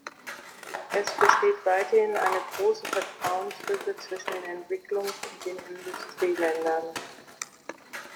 Es besteht weiterhin eine große Vertrauenslücke zwischen den Entwicklungs- und den Industrieländern.